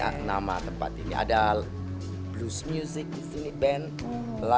ini nama tempat ini ada blues music disini band live band